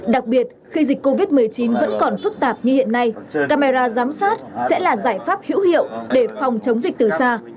đặc biệt khi dịch covid một mươi chín vẫn còn phức tạp như hiện nay camera giám sát sẽ là giải pháp hữu hiệu để phòng chống dịch từ xa